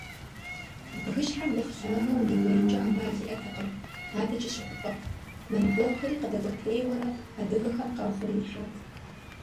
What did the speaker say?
Бгыщхьэм нэхъ лъагэу удэкӏуеинкӏэ ӏэмал иӏэтэкъым, адэкӏэ щыхупӏэт, монголхэри къыдэкӏуэтейуэрэ, адыгэхэм къаухъуреихьат.